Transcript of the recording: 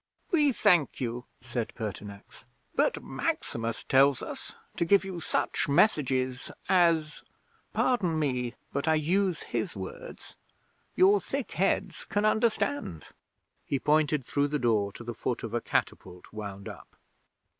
'"We thank you," said Pertinax. "But Maximus tells us to give you such messages as pardon me, but I use his words your thick heads can understand." He pointed through the door to the foot of a catapult wound up.